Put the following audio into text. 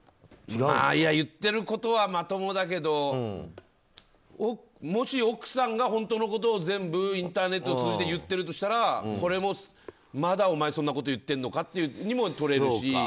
言ってることはまともだけどもし奥さんが本当のことを全部、インターネットを通じて言っているとしたらこれも、まだお前そんなこと言っているのかにも取れるし。